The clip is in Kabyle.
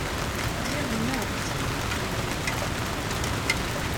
Ziɣemma yeskiddib fell-i.